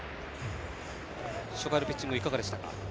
初回のピッチングいかがでしたか？